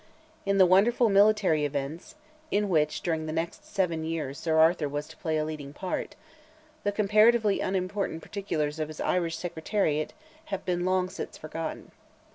In the wonderful military events, in which during the next seven years Sir Arthur was to play a leading part, the comparatively unimportant particulars of his Irish Secretariate have been long since forgotten.